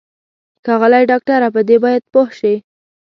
ښاغلی ډاکټره په دې باید پوه شې.